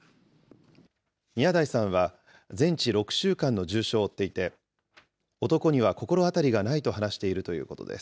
宮台さんは全治６週間の重傷を負っていて、男には心当たりがないと話しているということです。